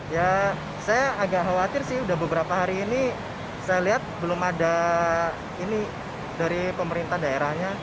ya saya agak khawatir sih udah beberapa hari ini saya lihat belum ada ini dari pemerintah daerahnya